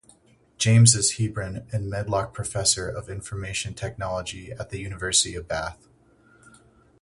James is Hebron and Medlock Professor of Information Technology at the University of Bath.